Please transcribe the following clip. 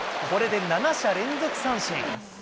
これで７者連続三振。